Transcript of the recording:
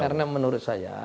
karena menurut saya